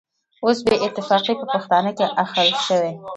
اوس بې اتفاقي په پښتانه کې اخښل شوې.